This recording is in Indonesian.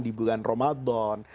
di bulan ramadan